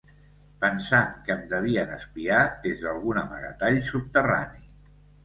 Pensant que em devien espiar des d'algun amagatall subterrani